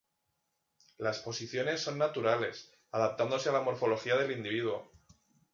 Las posiciones son naturales, adaptándose a la morfología del individuo.